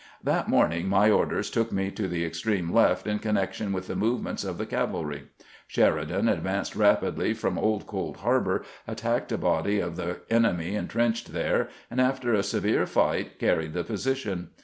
That morning my orders took me to the extreme left in connection with the movements of the cavalry. 162 CAMPAIGNING WITH GRANT Sheridan advanced rapidly upon Old Cold Harbor, at tacked a body of the enemy intrenched there, and after a severe fight carried the position.